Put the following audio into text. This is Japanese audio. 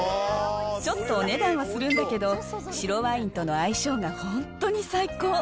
ちょっとお値段はするんだけど、白ワインとの相性が本当に最高。